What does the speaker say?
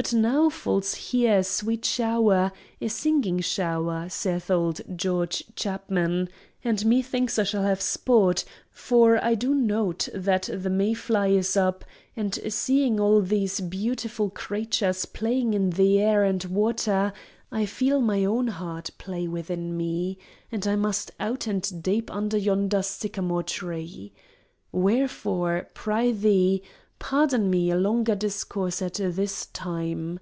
But now falls there a sweet shower, "a singing shower" saith old George Chapman, and methinks I shall have sport; for I do note that the mayfly is up; and, seeing all these beautiful creatures playing in the air and water, I feel my own heart play within me; and I must out and dape under yonder sycamore tree. Wherefore, prithee, pardon me a longer discourse as at this time.